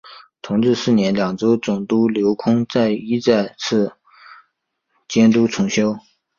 同治四年两江总督刘坤一再次监督重修。